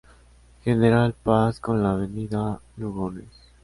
General Paz con la Avenida Lugones.